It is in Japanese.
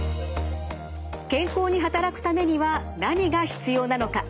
健康に働くためには何が必要なのか。